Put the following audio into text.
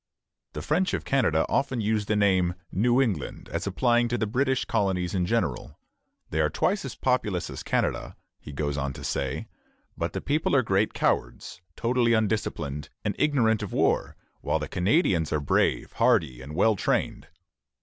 The French of Canada often use the name "New England" as applying to the British colonies in general. They are twice as populous as Canada, he goes on to say; but the people are great cowards, totally undisciplined, and ignorant of war, while the Canadians are brave, hardy, and well trained.